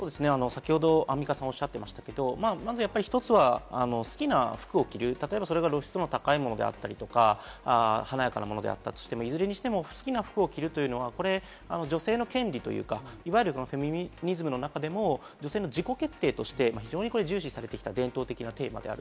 アンミカさんもおっしゃっていましたけれども、１つは好きな服を着る、例えば露出度の高いものであったり、華やかなものであったとしても、いずれにしても好きな服を着るというのは女性の権利というか、フェミニズムの中でも女性の自己決定として非常に重視してきた伝統的なテーマです。